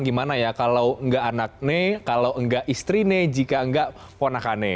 gimana ya kalau nggak anak ne kalau nggak istri ne jika nggak ponakane